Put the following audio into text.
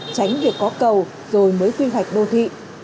tránh việc có cầu rồi mới tuyên hạch đô thị